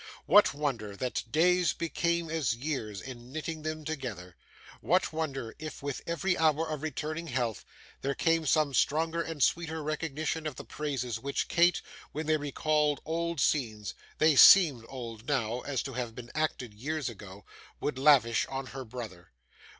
What wonder that days became as years in knitting them together! What wonder, if with every hour of returning health, there came some stronger and sweeter recognition of the praises which Kate, when they recalled old scenes they seemed old now, and to have been acted years ago would lavish on her brother!